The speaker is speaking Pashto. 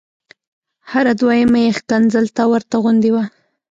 هره دویمه یې ښکنځل ته ورته غوندې وه.